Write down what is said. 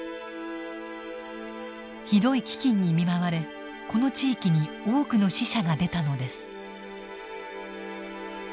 ひどい飢饉に見舞われこの地域に多くの死者が出たのです。